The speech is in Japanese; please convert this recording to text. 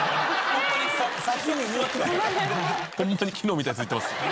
ホントに昨日見たやつ言ってます。